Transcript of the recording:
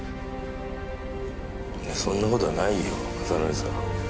そんなことはないよ雅紀さん。